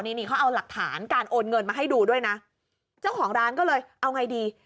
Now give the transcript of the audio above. นี่นี่เขาเอาหลักฐานการโอนเงินมาให้ดูด้วยนะเจ้าของร้านก็เลยเอาไงดี